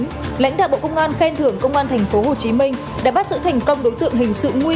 hãy đăng ký kênh để ủng hộ kênh của chúng tôi nhé